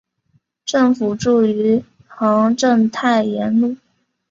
政府驻余杭镇太炎路。